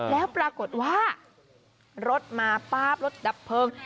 แล้วปรากฏว่ารถมาป๊าบรถดับเพลิง